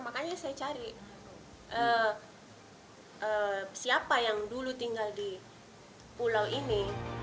makanya saya cari siapa yang dulu tinggal di pulau ini